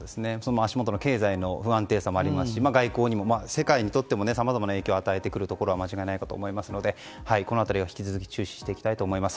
足元の経済の不安定さもありますし外交にも世界にとってもさまざまな影響を与えてくることは間違いないと思いますのでこの辺りは引き続き注視していきたいと思います。